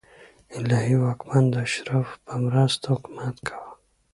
الهي واکمن د اشرافو په مرسته حکومت کاوه.